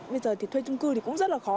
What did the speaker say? bây giờ thì thuê chung cư thì cũng rất là khó